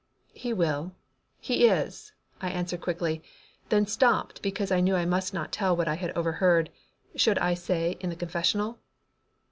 "He will He is," I answered quickly, then stopped because I knew I must not tell what I had overheard should I say in the confessional?